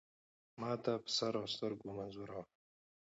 ما ته په سر اوسترګو منظور وه .